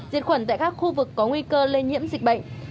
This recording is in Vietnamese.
diệt khuẩn tại các khu vực có nguy cơ lây nhiễm dịch bệnh